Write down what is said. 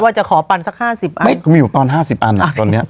าก็อยู่ตอน๕๐อันนะตัวเนี้ย